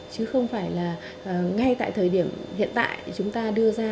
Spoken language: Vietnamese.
chứ không phải là ngay tại thời điểm hiện tại chúng ta đưa ra